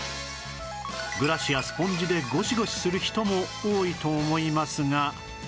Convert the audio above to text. ブラシやスポンジでゴシゴシする人も多いと思いますが